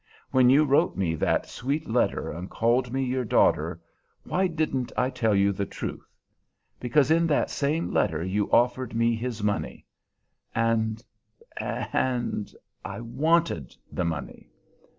When you wrote me that sweet letter and called me your daughter, why didn't I tell you the truth? Because in that same letter you offered me his money and and I wanted the money.